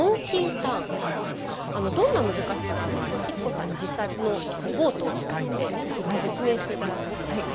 どんな難しさがあるのか逸子さんに実際このボートを使って説明して頂こうと思います。